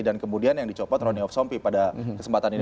dan kemudian yang dicopot ronny of sompi pada kesempatan ini